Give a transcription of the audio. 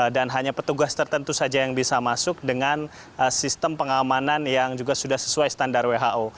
dan hanya petugas tertentu saja yang bisa masuk dengan sistem pengamanan yang juga sudah sesuai standar who